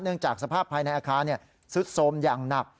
เนื่องจากสภาพภายในอาคารซึดสมอย่างหนัก